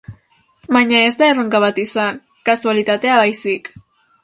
Baina ez da erronka bat izan, kasualitatea baizik.